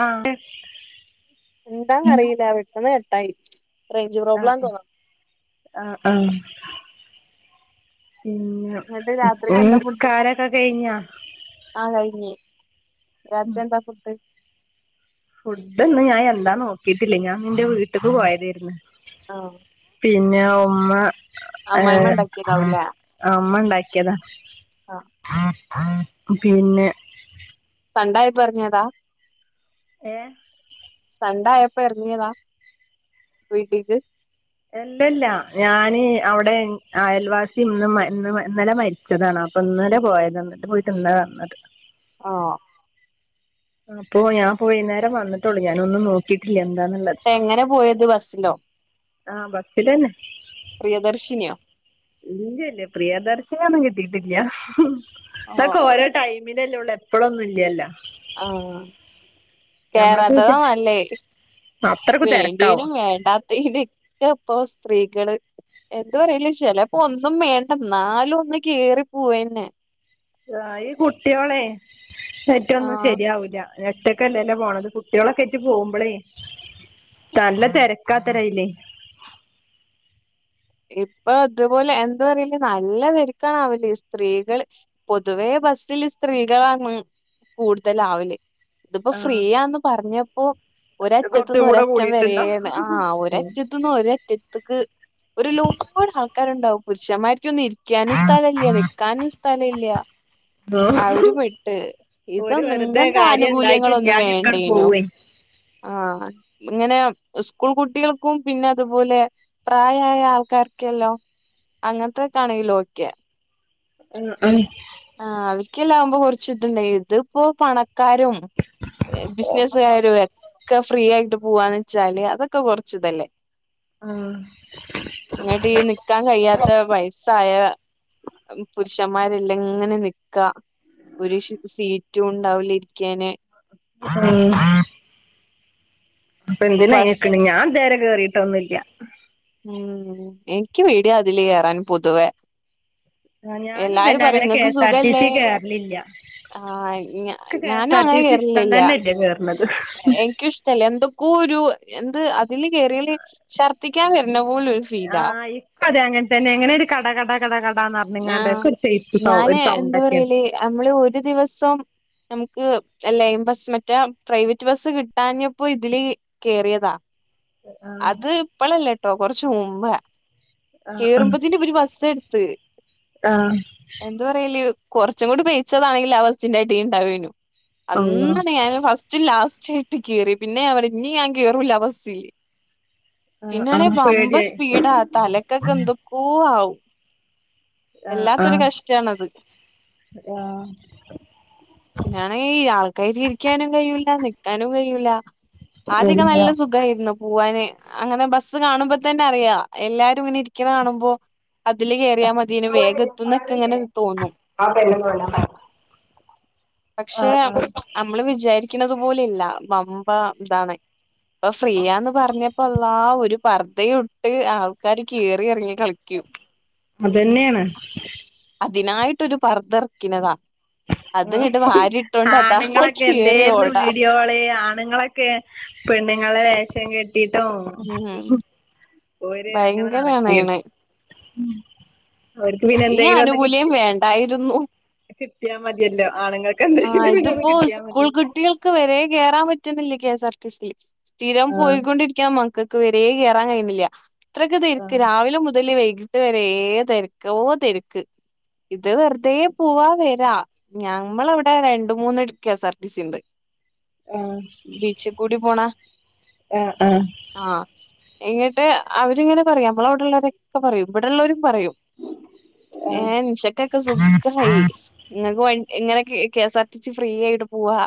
ആഹ് [inaudible] എന്താന്ന് അറിയില്ല പെട്ടെന്ന് കട്ടായി റേഞ്ച് പ്രോബ്ലാന്ന് ആഹ് തോന്നുന്നു ആഹ് ആഹ് പിന്ന് എന്നിട്ട് രാത്രിക്ക് എന്താ ഫുഡ് നിസ്കാരൊക്കെ കഴിഞ്ഞാ? ആഹ് കഴിഞ്ഞ് രാത്രി എന്താ ഫുഡ്? ഫുഡ്ന്ന് ഞാൻ എന്താ നോക്കിട്ടില്ല. ഞാൻ ഇന്റെ വീട്ട്ന്ന് പോയതെന്ന് ആഹ് പിന്നെ ഉമ്മ ഹേ അമ്മായിമ്മ ആഹാ ഉണ്ടാക്കിയതാവൂലേ ഉമ്മ ഉണ്ടാക്കിയതാ ആഹ് പിന്നെ കണ്ടായി പറഞ്ഞതാ ഏഹ് സൺഡായപ്പോ ഇറങ്ങിയതാ വീട്ടിക്ക്? അല്ലല്ല ഞാന് അവിടെ അയൽവാസി ഇന്ന് ഇന്ന് ഇന്നലെ മരിച് ച്ചതാണ് അപ്പൊ ഇന്നലെ പോയതാ ഇന്ന്ട്ട് പോയിട്ട് ഇന്നാ വന്നത് [unintelligible] അപ്പോ ഞാൻ ഇപ്പോ വൈന്നേരം വന്നിട്ടോളൂ ഞാനൊന്നും നോക്കിയിട്ടില്ല എന്താന്നുള്ളത്. എങ്ങനെ പോയത് ബസ്സിലോ? ആഹ് ബസ്സിലെന്നെ. പ്രിയദർശിനിയോ ഇല്ലല്ല പ്രിയദർശനൊന്നും കിട്ടിയിട്ടില്ല ആഹ് ഇതൊക്കെ ഓരോ ടൈമിലല്ലേ ഉള്ളൂ എപ്പളൊന്നും ഇല്ലല്ലോ ആഹ് ഇത് കേറാത്തതാ നല്ലേ അത്രക്ക് തിരക്കാവും വേണ്ടിനും വേണ്ടാത തിനൊക്കെ ഇപ്പോ സ്ത്രീകള് എന്താ പറയല് ചെലപ്പോ ഒന്നും മേണ്ടന്നാലും ഒന്ന് കേറി പോവന്നെ ആഹ് ഈ കുട്ടിയോളെ എറ്റൊന്നും ആഹ് ശെരിയാവൂല്ല ഒറ്റക്കല്ലല്ലേ പോണത് കുട്ടികളൊക്കെറ്റ് പോവുമ്പളേ നല്ല തെരക്കാത്തരേ അയില് ഇപ്പൊ അതുപോലെ എന്ത് പറയല് നല്ല തരക്ക് ക്കണാവില്ലേ സ്ത്രീകൾ പൊതുവേ ബസ്സില് സ്ത്രീകളാണ് മുഴു കൂട്തലാവില്ല് ഇതിപ്പോ ആ ഫ്രീയാന്ന് പറഞ്ഞപ്പോ കുറച്ചും ഒരറ്റത്ത്ന്ന് കൂടെ ഒരറ്റം കൂടിയിട്ടുണ്ടോ വരെന്ന് ആഹ് ഉം. ഒരറ്റത്ത്ന്ന് ഒരറ്റത്ത്ക്ക് ഒരു ലുപ്പട് ആൾക്കാരുണ്ടാവും പുരുഷന്മാർക്കൊന്നും ഇരിക ഇരിക്കാനും സ്ഥല ഇല്ല നിക്കാനും സ്ഥല ഇല്ല അവരും പെട്ട് ഒരു ഇതൊന്നും വെറുതെ ഇങ്ങത്തെ കാര്യം ആനുകൂല്യങ്ങളൊന്നും ഉണ്ടായിട്ടില്ലാതെയൊക്കെ വേണ്ടേനു പോവേ ആഹ് ഇങ്ങനെ സ്കൂൾ കുട്ടികൾക്കും പിന്നെ അതുപോലെ പ്രായം യായ ആൾക്കാർക്കല്ലോ അങ്ങന് ത്തക്കെ ആണെങ്കില് ഓക്കെ [unintelligible] ആഹ് അവക്ക്ല്ലെ ആവുമ്പോ കുറച്ച് ഇതുണ്ടായി ഇതിപ്പോ പണക്കാരും ബിസിനസുകാരും ഒക്കെ ഫ്രീ ആയിട്ട് പോവാന്ന് വെച്ചാല് അതൊക്കെ കൊറച്ച് ഇതല്ലേ ആഹ് ഇഞടി ഈ നിക്കാൻ കഴിയാത്ത വയസ്സായ പുരുഷന്മാരെല്ലാം ഇങ്ങനെ നിക്കാ ഒരു സീറ്റുണ്ടാവില്ല ഇരിക്കാന് ഉം അപ്പൊ ഇപ്പൊ എന്തിനാ അയിന് ബസ് നിക്കണേ ഞാൻ ഇതുവരെ കേറിയിട്ടൊന്നുല്ല ഉം എനിക്ക് പേടിയാ അതില് കേയറാന് പൊതുവേ ആ ഞാനും തന്നെ അങ്ങനെ കെ ഇങ്ങക്ക് എസ് ആർ ടി സുഖല്ലേ സി കേറലില്ല ആഹ് ഇക്ക് കെ എസ് ഞാനും ആർ ടി അങ്ങനെ സി ഇഷ്ടം കേറലില്ല തന്നെ ഇല്ല കേറണത് ഇൻക്കും ഇഷ്ടല്ല എന്തൊക്കോ ഒരു എന്ത് അതില് കേറിയാല് ഛർദ്ദിക്കാൻ വര്ണ പോലൊര് ആഹ് ഇപ്പ അത് അങ്ങനെ തന്നെ എങ്ങനെ ഒര് കട കട കട കടാന്ന് പറ പറഞ്ഞ്ങ്ങാണ്ട് ആഹ് ഒക്കെ ഒരു സൈസ് ഒരു സൗണ്ട് ഒക്കെയാണ് ഞമ്മള് ഒരു ദിവസം നമുക്ക്ആ ലൈൻ ബസ് മറ്റേ പ്രൈവറ്റ് ബസ്സ് കിട്ടാഞ്ഞപ്പോ ഇതില് കേറിയതാ ആ അത് ഇപ്പളല്ലട്ടോ കൊറച്ച് മുമ്പാ ആ കേറുമ്പത്തിന് ഇവര് ബസ എട്ത്ത് ആഹ് എന്താ പറയല് കുറച്ചും കൂടി പെയ്ച്ചതാണെങ്കില് ആ ബസിൻ്റെ അടീല് ഉണ്ടാവേയ്നു അള്ളാ അന്നന്നെ ഞാന് ഫസ്റ്റും ലാസ്റ്റു ആയിട്ട് കേറി പിന്നെ ഞാൻ പറിം ഇഞ്ഞ് ഞാൻ കേറൂല്ല ആ ബസില് ആ ആ പിന്നണെ ബംബം പേടിയായി സ്പീഡാ തലക്കൊക്കെ എന്തൊക്കോ ആവും ആ ആ വല്ലാത്തൊരു കഷ്ട്ടാണ് അത് ആ പിന്നാണെ ഈ ആൾക്കാർക്ക് ഇരിയ്ക്കാനും കയ്യൂല നിക്കാനും കയ്യൂല ആദ്യൊക്കെ ഇല്ല നല്ല സു കായിരുന്നു പോവാന് അങ്ങനെ ബസ്സ് കാണുമ്പ തന്നെ അറിയാ എല്ലാരും ഇങ്ങനെ ഇരിക്കുന്ന കാണുമ്പോ അതില് കേറിയാ മതിയേനു വേഗം എത്തുംഎന്നൊക്കെ ഇങ്ങനെ തോന്നും ആ പക്ഷെ ആ അമ്മള് വിചാരിയ്ക്ക്ണത് പോലെല്ല വമ്പ ഇതാണ് ഇപ്പ ഫ്രീയാന്ന് പറഞ്ഞപ്പൊ അള്ളാ ഒരു പർദ്ധയുട്ട് ആൾക്കാര് കേറി എറങ്ങി കളിയ്ക്കും അതെനെയാണ് അതിനായിട്ടൊരു പർദ്ധ എർയ്ക്കിനതാ ആണുങ്ങളൊക്കെ കേറി എന്തേരുന്നു ഓടാ വീഡിയോകോള് ആണുങ്ങളൊ ക്കെ പെണ്ണ്ങ്ങളെ വേഷം കെട്ടിട്ടും ഉം ഓര് അങ്ങനെ ഭയങ്കരാണ് അയിന് നടക്കേരുന്നു ഓര്ക്ക് പിന്നെ എന്തെങ്കിലും ഒന്ന് കി ആയിരുന്നു കിട്ടിയാ മതിയല്ലോ ആണുങ്ങൾ ആഹ് ഇതിപ്പോ സ്കൂൾ കുട്ടികൾ ക്ക് വരെ കേറാൻ പറ്റുന്നില്ല K S R T C യിൽ സ്ഥിരം ആഹ് പോയികൊണ്ടിരിയ്ക്കണ മക്ക ക്കക്ക് വരേ കേറാൻ കയ്യുന്നില്ല അത്രക്ക് തെരക്ക് ആഹ് രാവിലെ മുതല് വൈ വരേ തെരക്കോ ഓ തെരക്ക് ഇത് വെറുതേ പോവാ വരാ ഞാ നമ്മളവിടെ രണ്ട് മൂന്ന് K S R T C ണ്ട് ആഹ് ബീച്ചി കൂടി പോണെ ആഹ് ആഹ് ആഹ് എങ്ങട്ട് അവരിങ്ങനെ പറയാ നമ്മളവടെള്ളോരൊ ക്കെ പറയും ഇവിടെള്ളോരും പറയും ഏഹ് ആഹ് നിഷക്കൊക്കെ സുഖായി ഇങ്ങക്ക് വണ്ടി ഇങ്ങനെെ കെഎസ്ആർ ടി സി ഫ്രീ ആയിട്ട് പോവാ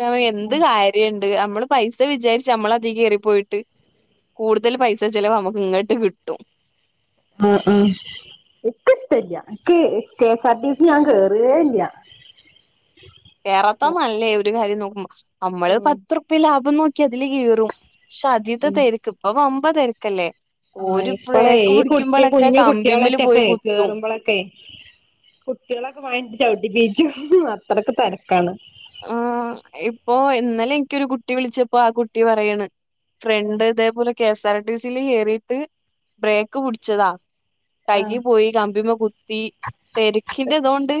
ഞാൻ പറയും എന്ത് കാര്യ ണ്ട് ഞമ്മള് പൈസ വിചാരിച്ച് ഞമ്മളതീ കേറിപ്പോയിട്ട് കൂടുതൽ പൈസ ചെലവ് ഞമ്മക്ക് ഇങ്ങട്ട് കിട്ടും ആഹ് ആഹ് ഇക്കിഷ്ല്ല ഇക്ക് കെഎസ് ആർ ടി സി ഞാൻ കേറേ ഇല്ല കേറാത്ത നല്ലേ ഒരു കാര്യം നോക്കുമ്പൊ നമ്മള് ഉം പത്തൂർപ്പ്യ ലാഭം നോക്കി അതില് കേറും പക്ഷെ അതീത്തെ തെരക്ക് ഇപ്പ ബമ്പ തെരക്കല്ലേ ആഹ ഇപ്പളെ ഈ കുട്ടി കുഞ്ഞു കമ്പിമ്മല് പോയി കുട്ടികളെറ്റൊക്കെ കുത്തും കേറുമ്പോളെ ക്കെ കുട്ട്യേളൊക്കെ മാണെ ചൗട്ടിപ്പീച്ചും അത്രക്ക് തെരക്കാണ് ആഹ ഇപ്പൊ ഇന്നലെ എനിക്കൊരു കുട്ടി വിളിച്ചപ്പോ ആ കുട്ടി പറയാണ് ഫ്രണ്ട് ഇതേപോലെ കെ എസ് ആർ ടി സീല് കേറീട്ട് ബ്രേക്ക് പുടിച്ചതാ ആഹ് കയ്യ് പോയി കമ്പിമ്മ കുത്തി തെരെക്കിന്റെ ഇതോണ്ട്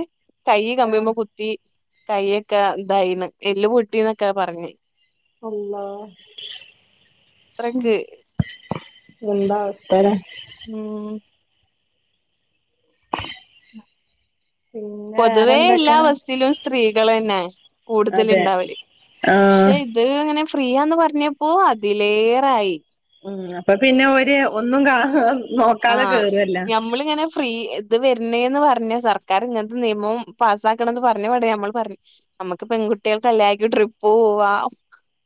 കയ്യ് ആഹ് കമ്പിമ്മക്കു ത്തി കയ്യൊക്കെ ഇതായിണ് എല്ല് പൊട്ടിന്നൊക്കെ പറഞ്ഞ അള്ളാ ഹ് അത്രക്ക് എന്താ അവസ്ഥലെ ആഹ് പിന്നെ പൊതുവേ എല്ലാ വേറെന്തൊക്കെ ബസ്സിലും സ്ത്രീകളെന്നെ കൂടുതല് അതെ ഉണ്ടാവല് ആഹ് പക്ഷെ ഇത് ഇങ്ങനെ ഫ്രീ ആന്ന് പറഞ്ഞപ്പോ അതിലേറായി ഉം അപ്പ പിന്നെ ഓര് ഒന്നും കാ നോക്കാതെ ആഹ് കേറുല്ലോ ഞമ്മളിങ്ങനെ ഫ്രീ ഇത് വര്ണേന്ന് പറഞ്ഞ സർക്കാർ ഇങ്ങൻത്തെ നിയമം പാസ്സാക്കണന്ന് പറഞ്ഞ പാടെ ഞമ്മൾ പറഞ് നമ്മക്ക് പെൺകുട്ടിയേൾതെ ല്ലാർക്കും ട്രിപ്പ് പോവാം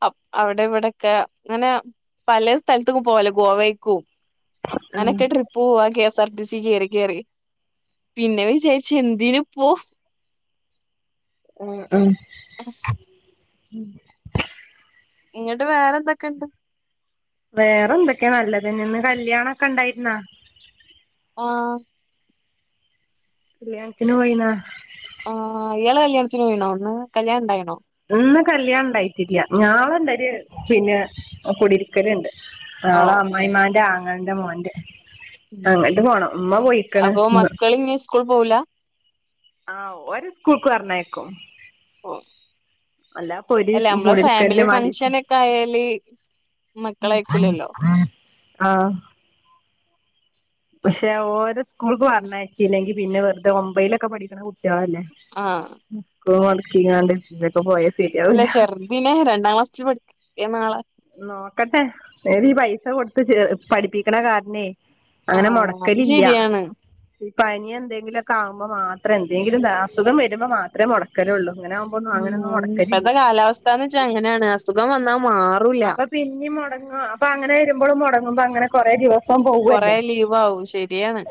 അപ് അവിടെ ഇവിടൊക്കെ ങ്ങനെ പലെ സ്ഥല്ത്ത്ക്കും പോവാല്ലോ ഗോവയ്ക്കും ആഹ് അങ്ങനൊക്കെ ട്രിപ്പ് പോവാം K S R T C കേറി കേറി പിന്നെ വിചാരിച്ച് എന്തിന്പ്പോ ഉം ഉം ആഹ് ഇങ്ങട്ട് വേറെന്തെക്കെണ്ട് വേറെ എന്തൊക്കെ നല്ലതെന്നെ ഇന്ന് കല്യാണൊക്കെ ണ്ടായിര് ന്നാ ആഹ് കല്യാൺത്തിന് പോയീന്നാ ആഹ് ഇയാള് കല്യാണത്തിന് പോയീണോ ന്ന് കല്യാണം ണ്ടായിണോ ഇന്ന് കല്യാണം ണ്ടായിട്ടില്ല ഞാളണ്ടര് പിന്നെ കുടിര്ക്കല് ണ്ട് നാള ഓഹ് അമ്മായിമ്മാന്റെ ആങ്ങൾന്റെ മോന്റെ അങ്ങട്ട് പോണം മ്മ പോയിക്ക്ണ് അപ്പൊ ന്ന് മക്കള് ഇനി സ്കൂൾ പോവൂല ആഹ് ഓര് സ്കൂക്ക് പറഞ്ഞയക്കും ഉം അല്ലാപ്പൊ ഒരു എല്ല അമ്മള് ഫാമിലി കുടിരിക്കലിന് വേണ്ടീട്ട് ഫങ്ഷനൊക്കെ ആയാല് മക്കളയ്‌ക്കൂലല്ലോ ആഹ് പഷെ ഓരെ സ്കൂക്ക് പറഞ്ഞയച്ചില്ലെങ്കി പിന്നെ വെറ്തെ ഒമ്പൈലൊക്കെ പഠിക്കണ കുട്ടിയേളല്ലേ ആഹ് സ്കൂള് അട്ക്കികാണ്ട് ദെ ക്കെ പോയാ സരിയാവൂല പിനെ രണ്ടാം ക്ലാസ്സില് പഠിക്ക്യാ നാളെ നോക്കട്ടെ നേവീ ഈ പൈസ കൊടുത്ത് ചേ പഠിപ്പിക്കണ കാര്ണേ അങ്ങനെ ആഹ് അത് മൊട്ക്കലില്ല ശരിയാണ് പനി എന്തെങ്കിലൊക്കെ ആവുമ്പോ മാത്രേ എന്തെങ്കിലും അസുഖം വരുമ്പോ മാത്രേ മൊട്ക്ക ലു ള്ളൂ അങ്ങനെ ആവു ഉം ഇപ്പത്തെ കാലാവസ്ഥാന്ന് ച്ചാ അങ്ങനാണ് അസുഖം വന്നാ മാർ അപ്പ പിന്നിം മൊടങ്ങോ അപ്പ അങ്ങനെ വരുമ്പള് മൊടങ്ങ്മ്പ അങ്ങനെ കൊറെ ദിവസ് പ്പം കൊറേ പോകുവല്ലേ ലീവ് ആവും ശരിയാണ്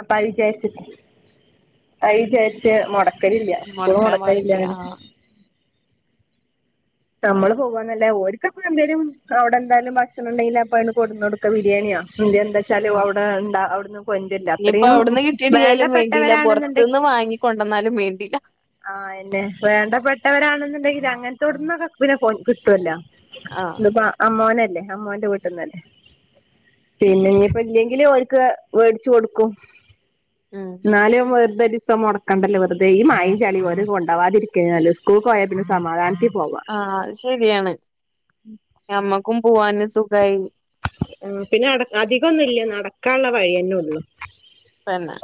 അപ്പ അവ്ര് ജാര്ച്ച് അവര് ജാര്ച്ച് മൊട ക്കലില്ല്യ സ്കൂള് മുടക്കാൻ പാടില്ല മൊടക്കലില്ല്യ ആ അങ്ങനെ നമ്മള് പോവ്വാന്നല്ലാ ഓര്ക്കപ്പൊ എന്തേലും അവ്ടെന്തായാലും ഭക്ഷണം ണ്ടെങ്കില് അപ്പ അഹ്ണ്ട് കൊട്ന്നൊട്ക്കാ ബിരേണ്യോ എന്തേ ഇണ്ട് ച്ചാല് ആ അവ്ടെ ന്താ അവ്ട്ന്നു കൊൻന്റൊല്ലാ ഇനിയിപ്പോ അത്തറീം അവിടുന്ന് കിട്ടിയിട്ടില്ലേലും വേണ്ടില്ല വേണ്ടപ്പെട്ടവരാണെന്ന്ണ്ടെ പുറത്തുന്ന് വാങ്ങിക്കൊണ്ടന്നാലും വേണ്ടില്ല ആഹ് അയന്നെ വേണ്ടപ്പെട്ടവരാണെന്ന്ണ്ടെങ്കില് അങ്ങെൻത്തോട്ത്ത്ന്നൊക്കെ പിന്നെ കിട്ടൊല്ലാ ആഹ് ത് പ്പ അമ്മോനല്ലേ അമ്മോന്റെ വീട്ട്ന്നല്ലേ പിന്നെ ഇഞ് പ്പ ഇല്ലെങ്കില് ഓര്ക്ക് വേടിച്ച് കൊട്ക്കും ഉം ന്നാലും വെർതൊരിസം മൊടക്കണ്ടല്ലോ വെറ്തെ ഈ മഴിം ചളീം ഒര് കൊണ്ടാവാതിര്ക്കെന്നെ നല്ലെഹ് സ് സ്കൂക്കോയാ പിന്നെ സമാധാൻത്തി പോവാ ആഹ് അഹ് ശരിയാണ് ഞമ്മക്കും പൂവാന് സുഖായി ഉം പിന്നെ അടെ അധികൊന്നുല്ല്യ നടക്കാൻള്ള വഴിയെന്നെ ഒള്ളൂ തന്നാ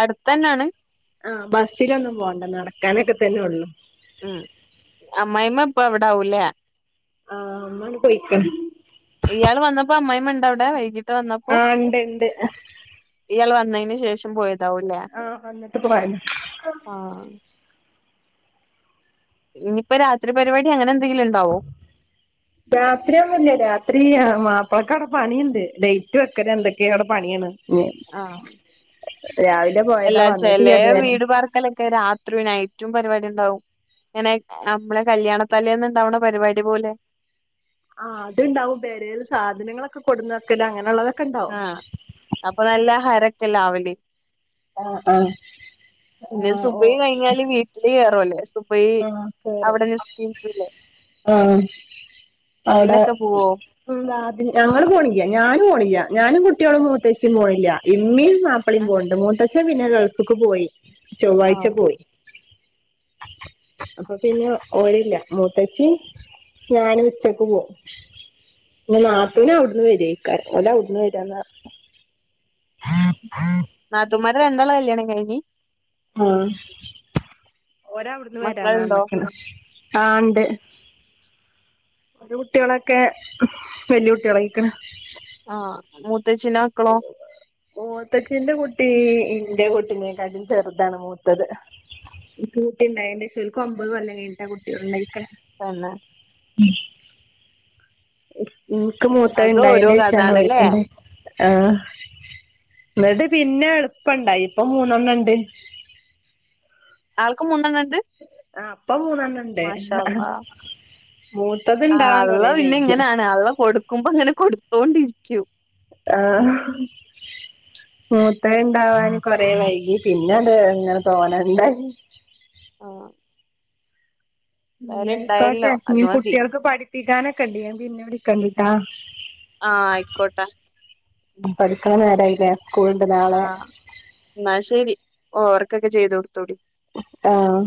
അടുത്തന്നാണ് ആഹ് ബസ്സിലൊന്നും പോണ്ട നടക്കാനെക്കെത്തനൊള്ളു ഉം അമ്മായിമ്മ ഇപ്പ അവ്ടാവു ല്ലേ ആഹ് മ്മാണ്ട് പോയ്ക്ക് ണ് ഇയാള് വന്നപ്പോ അമ്മായിമ്മണ്ടോ അവ്ടെ വൈകിട്ട് വന്നപ്പോ ആഹ് ഇണ്ട് ഇണ്ട് ഇയാൾ വന്നെയ്ന് ശേഷം പോയ ആഹ് വന്ന്ട്ട് പോയതാ ആഹ് ഇഞ്പ്പ രാത്രി പരിപാടി അങ്ങനെ എന്തെങ്കിലും ഇണ്ടാവോ രാത്രിയൊന്നും ഇല്ല്യ രാത്രില്ല്യ മാപ്പ്ളക്കവ്ടെ പണിണ്ട് ലെയ്റ്റ് വെക്കരെന്തെ ക്കെ അവ്ടെ പണിയാണ് ഞ് ആഹ് രാവിലെ പോ എല്ലാ ചെലേ വീട് പാർക്കലൊക്കെ രാതൃയും നയ്റ്റുംപരിവാടി ഇണ്ടാവും ഇങ്ങനെ അമ്മളെ കല്യാണത്താലേന്ന് ഇണ്ടാവ്ണ പര് വാടി പോലെ ആഹ് അത്ണ്ടാവും പെരേല് സാധനങ്ങളൊക്കെ കൊടുന്ന് വെക്കല് അങ്ങനള്ളത് ആഹ് അപ്പ നല്ലഹരൊക്കെല്ലാവല് ആഹ് ആഹ് പിന്നെ ആഹ് ഓ സുബയി കഴിഞ്ഞാല് വീട്ടില് കേറൊല്ലേ സുബ് ബയി ആഹ് കേറും അവടെ നിസ്കരിക്കുലെ ആഹ് അതിനൊക്കെ പൂവോ ഉം വാതില് ഞങ്ങള് പോണില്ല ഞാന് പോണില്ല ഞാനും കുട്ടിയാളും മൂത്തച്ചിം പോണില്ല ഇമ്മീം മാപ്പളീം പോവ്ണ്ട് മൂത്തച്ചൻ പിന്നെ ഗൾഫ്ക്ക് പോയി ചൊവ്വാഴ്ച്ച ആഹ് പോയി അപ്പൊ പിന്നെ ഓല് ല്ല മൂത്തച്ചിം ഞാനും ഉച്ചക്ക് പോവും ഞ് ആഹ് നാത്തൂന് അവ്ട്ന്ന് വെരൊയ് ക്കാരം ഒലൗവ്ട്ന്ന് വെരാന്നർഞ്ഞ് നാത്തൂമാരെ രണ്ടാളെ കല്യാണം കഴിഞ്ഞ് ആഹ് ഒരാവ്ട്ന്ന് മക്കളുണ്ടോ വെരാന്നർഞ്ഞക്ക്ണ് ആഹ് ഇണ്ട് ഒരു കുട്ടികളൊക്കെ വെല്യ കുട്ടികളയ്ക്ക്ണ് ആഹ് മൂത്തഛിന്റെ മക്കളോ മൂത്തച്ചിന്റെ കുട്ടി ഇന്റെ കുട്ടിനേക്കാട്ടിം ചെറ്താണ് മൂത്തത് ഇൻക്ക് കുട്ടിണ്ടായേന്റെഷം ഓല്ക് ഒമ്പത് കൊല്ലം കെഴ്ഞ്ഞ്ട്ടാ കുട്ടികള് ഇണ്ടായ്ക്ക്‌ണ് തന്നെ ഉം എനിക്ക് മൂത്തത് അത് ഓരോ ഇണ്ടായേൻ്റെഷാണ് കഥാണല്ലേ ഓര്ക്ക്ണ്ടായേ ആഹ് എന്നിട്ട് പിന്നെ എള്പ്പണ്ടായി ഇപ്പൊ മൂന്നെണ്ണംണ്ട് ആൾക്ക്‌ മൂന്നെണ്ണണ്ട് ആഹ് അപ്പ മൂന്നെണ്ണ മാഷാഅള്ള മൂത്തത് ഇണ്ടാവാൻ അള്ളാ കൊറേ പിന്നെ വൈകി ഇങ്ങനാണ് അള്ള കൊട് ക്കുമ്പോ ഇങ്ങനെ കൊടുത്തോണ്ടിരിക്കും ആഹ് മൂത്തത് ഇണ്ടാവാന് കൊറേ വൈകി പിന്നത് ഇങ്ങനെ തോനേണ്ടായി ആഹ് എന്തായാലും ന്നാ അയ്ക്കോട്ടെ ഇണ്ടായല്ലോ അത് ഇനി മതി കുട്ടികൾക്ക് പഠിപ്പിക്കാനൊക്കെണ്ട് ഞാപിന്നെ വിളിക്കണ്ട്ട്ടാ ആഹ് ആയ്ക്കോട്ടെ ഉം പഠിക്ക്ണ നേരായീല്ലേ സ്ക്കൂള്ണ്ട്ലാ ആഹ് എന്നാ ശരി ഓവർക്കൊക്കെ ചെയ്ത് കൊടുത്തോടി ആഹ്